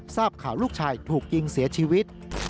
ทราบข่าวลูกชายถูกยิงเสียชีวิต